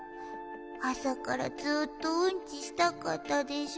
あさからずっとうんちしたかったでしょ？